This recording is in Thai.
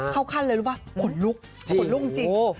ขั้นเลยรู้ป่ะขนลุกขนลุกจริง